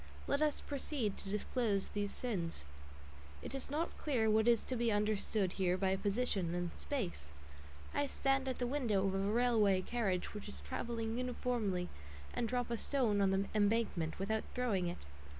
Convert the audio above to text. Let us proceed to disclose these sins. It is not clear what is to be understood here by "position" and "space." I stand at the window of a railway carriage which is travelling uniformly, and drop a stone on the embankment, without throwing it.